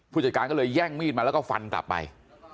ผู้จัดการก็เลยแย่งมีดมาแล้วก็ฟันกลับไป